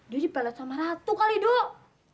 dia dibalas sama ratu kali dok